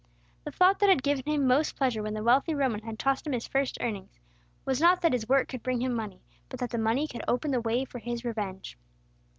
The thought that had given him most pleasure when the wealthy Roman had tossed him his first earnings, was not that his work could bring him money, but that the money could open the way for his revenge.